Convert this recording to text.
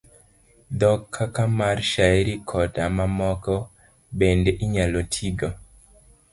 Dhok kaka mar shairi, koda mamoko bende inyalo tigo